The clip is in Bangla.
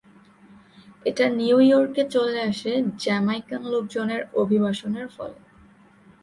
এটা নিউইয়র্কে চলে আসে জ্যামাইকান লোকজনের অভিবাসনের ফলে।